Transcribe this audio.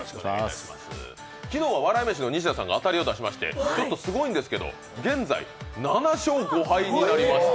昨日は笑い飯の西田さんが当たりを出しましてちょっとすごいんですけど、現在、７勝５敗になりました。